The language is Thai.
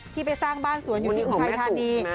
ไปสร้างบ้านสวนอยู่ที่อุทัยธานี